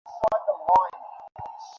সেরকমটা মনেও হয় না।